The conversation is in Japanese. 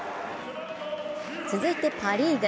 続いてパ・リーグ。